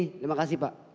terima kasih pak